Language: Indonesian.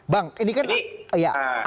bang ini kan ya